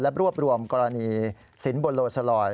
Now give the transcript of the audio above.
และรวบรวมกรณีสินบนโลสลอย